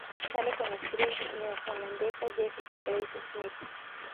Sale con la actriz neozelandesa Jessica Grace Smith.